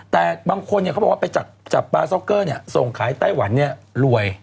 แต่บางคนเขาบอกว่าไปจับปลาซ็อกเกอร์ส่งขายไต้หวันเนี่ยรวย